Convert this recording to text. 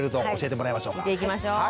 聞いていきましょう。